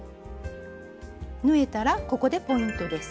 縫えたらここでポイントです。